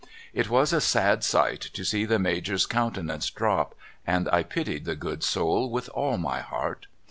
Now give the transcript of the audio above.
It was a sad sight to see the Major's countenance drop, and I pitied the good soul with all my heart.